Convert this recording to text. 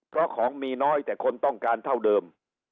เพราะของมีน้อยแต่คนต้องการเท่าเดิม